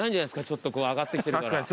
ちょっとこう上がってきてるから。